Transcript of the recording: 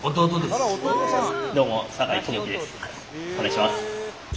お願いします。